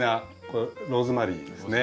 これローズマリーですね。